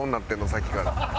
さっきから。